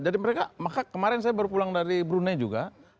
jadi mereka maka kemarin saya baru pulang dari brunei juga